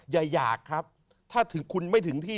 อย่าอยากครับถ้าคุณไม่ถึงที่